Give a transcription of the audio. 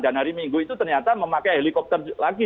dan hari minggu itu ternyata memakai helikopter lagi